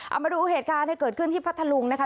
เอามาดูเหตุการณ์ที่เกิดขึ้นที่พัทธลุงนะคะ